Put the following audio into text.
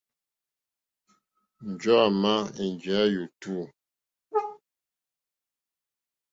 Njɔ̀ɔ́ àmà njíyá ó tùú.